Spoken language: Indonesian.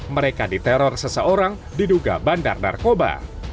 mereka diteror seseorang diduga bandar narkoba